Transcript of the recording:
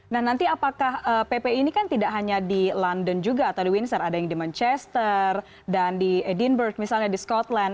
nah nanti apakah pp ini kan tidak hanya di london juga atau di windsor ada yang di manchester dan di edinburg misalnya di scotland